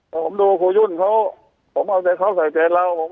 ผมดูครูยุ่นเขาผมเอาเดี๋ยวเขาใส่เจรลแล้วผม